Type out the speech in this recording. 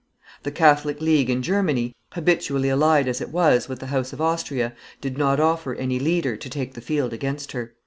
The Catholic league in Germany, habitually allied as it was with the house of Austria, did not offer any leader to take the field against her.